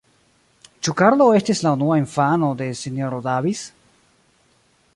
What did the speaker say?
Ĉu Karlo estis la unua infano de S-ro Davis?